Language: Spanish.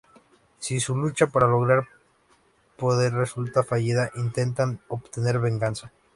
Si su lucha para lograr poder resulta fallida, intentan obtener venganza.